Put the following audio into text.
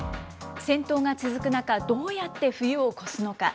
戦闘が続く中、どうやって冬を越すのか。